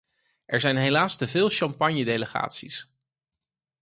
Er zijn helaas teveel champagnedelegaties.